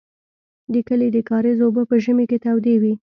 د کلي د کاریز اوبه په ژمي کې تودې وې.